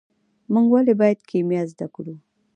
موږ ولې باید کیمیا زده کړو.